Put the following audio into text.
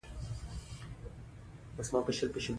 سیلابونه د افغانستان د فرهنګي فستیوالونو برخه ده.